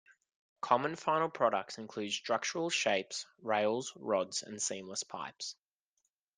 Common final products include structural shapes, rails, rods, and seamless pipes.